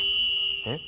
えっ？